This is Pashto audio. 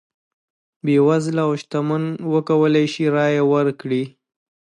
بېوزله او شتمن وکولای شي رایه ورکړي.